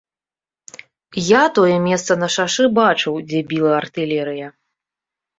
Я тое месца на шашы бачыў, дзе біла артылерыя.